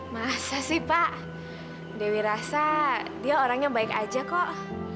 masa sih pak dewi rasa dia orangnya baik aja kok